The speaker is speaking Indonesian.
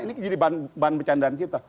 ini jadi bahan bercandaan kita